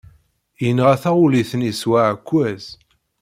Yenɣa taɣulit-nni s uɛekkaz.